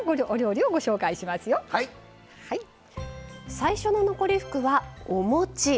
最初の残り福はおもち。